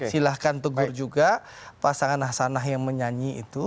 silahkan tegur juga pasangan ahsanah yang menyanyi itu